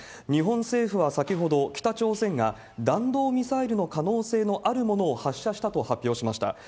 日本政府は先ほど、北朝鮮が弾道ミサイルの可能性のあるものを発射したと発表しました。